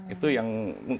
itu yang kadang kadang